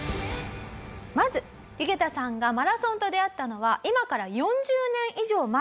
まずユゲタさんがマラソンと出会ったのは今から４０年以上前の事です。